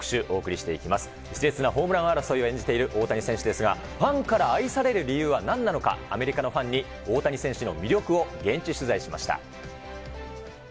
しれつなホームラン争いを演じている大谷選手ですが、ファンから愛される理由はなんなのか、アメリカのファンに大谷選手の魅力を現地取材しました。